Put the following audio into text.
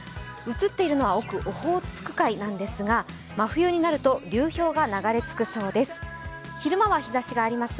映っているのは奥、オホーツク海なんですが真冬になると流氷が流れ着くそうです。